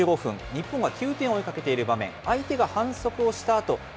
後半２５分、日本が９点を追いかけている場面。